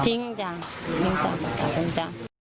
ทิ้งก้าวทิ้งก้าวสัตว์สัตว์ทิ้งก้าว